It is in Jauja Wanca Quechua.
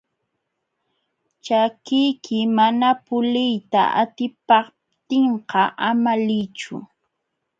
Ćhakiyki mana puliyta atipaptinqa ama liychu.